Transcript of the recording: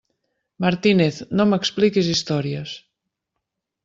Martínez, no m'expliquis històries!